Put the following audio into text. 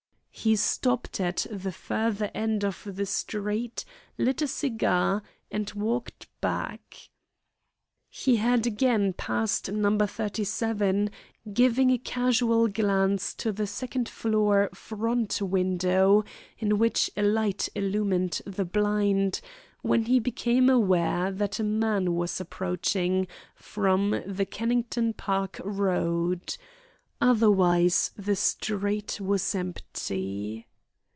He stopped at the further end of the street, lit a cigar, and walked back. He had again passed No. 37, giving a casual glance to the second floor front window, in which a light illumined the blind, when he became aware that a man was approaching from the Kennington Park Road. Otherwise the street was empty.